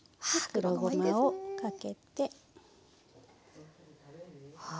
黒ごまをかけて。